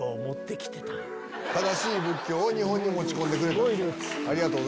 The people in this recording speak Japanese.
正しい仏教を日本に持ち込んでくれた。